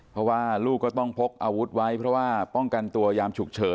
เพราะว่าลูกก็ต้องพกอาวุธไว้เพราะว่าป้องกันตัวยามฉุกเฉิน